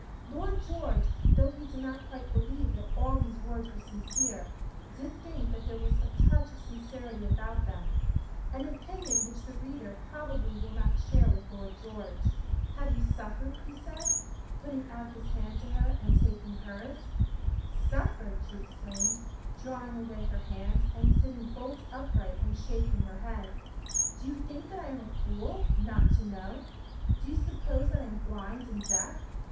Lord George, though he did not quite believe that all these words were sincere, did think that there was a touch of sincerity about them an opinion which the reader probably will not share with Lord George. "Have you suffered?" he said, putting out his hand to her and taking hers. "Suffered!" she exclaimed, drawing away her hand, and sitting bolt upright and shaking her head. "Do you think that I am a fool, not to know! Do you suppose that I am blind and deaf?